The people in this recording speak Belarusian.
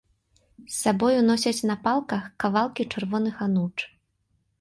З сабою носяць на палках кавалкі чырвоных ануч.